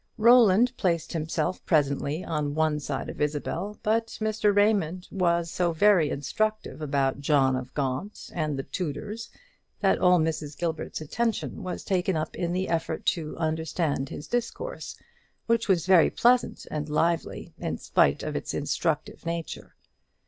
Roland placed himself presently on one side of Isabel; but Mr. Raymond was so very instructive about John of Gaunt and the Tudors, that all Mrs. Gilbert's attention was taken up in the effort to understand his discourse, which was very pleasant and lively, in spite of its instructive nature.